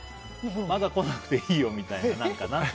まだ来なくていいよみたいな。